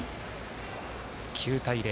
９対０。